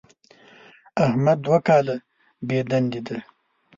احمد دوه کاله بېدندې دی.